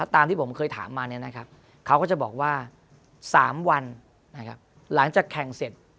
ตามที่ผมเคยถามมาเนี่ยนะครับเขาก็จะบอกว่า๓วันนะครับหลังจากแข่งเสร็จ